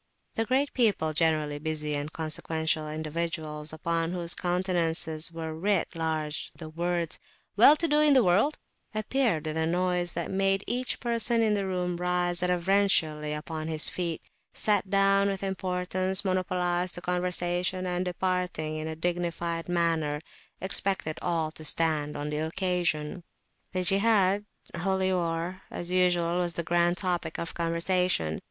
The great people, generally busy and consequential individuals, upon whose countenances were writ large the words "well to do in the world," appeared with a noise that made each person in the room rise reverentially upon his feet; sat down with importance, monopolised the conversation; and, departing in a dignified manner, expected all to stand on the occasion. The Jihad (Holy War), as usual, was the grand topic of conversation.